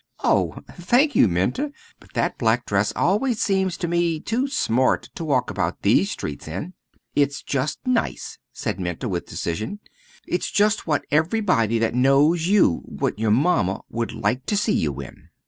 "Oh, thank you, Minta; but that black dress always seems to me too smart to walk about these streets in." "It's just nice," said Minta, with decision. "It's just what everybody that knows you what your mamma would like to see you in.